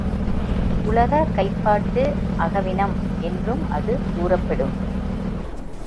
உலக கைப்பாட்டு, அகவினம் என்றும் அது கூறப்படும்.